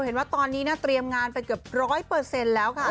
เห็นว่าตอนนี้นะเตรียมงานไปเกือบ๑๐๐แล้วค่ะ